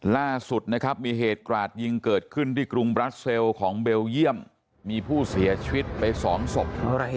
ล่าสุดมีเหตุกราชยิงเกิดขึ้นที่กรุงแบลเยี่ยมมีผู้เสียชีวิตไปสวมศพ